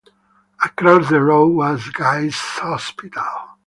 Across the road was Guy's Hospital.